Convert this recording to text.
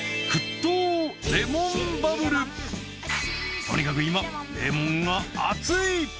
とにかく今レモンがアツい！